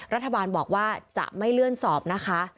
รัฐบาลบอกว่าจะไม่เลื่อนสอบนะคะ